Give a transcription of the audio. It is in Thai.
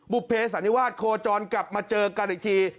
บุภเสันนิวาสโคจรกลับมาเจอกันอีกที